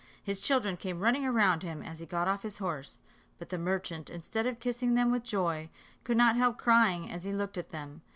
His children came running round him as he got off his horse; but the merchant, instead of kissing them with joy, could not help crying as he looked at them.